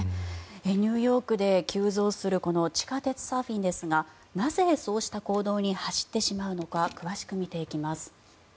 ニューヨークで急増するこの地下鉄サーフィンですがなぜそうした行動に走ってしまうのか詳しく見ていきます。